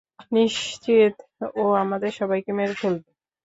নিশ্চিত ও আমাদের সবাইকে মেরে ফেলবে।